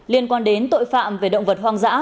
liên quan đến tội phạm về động vật hoang dã